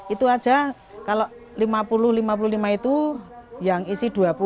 itu aja kalau lima puluh lima puluh lima itu yang isi dua puluh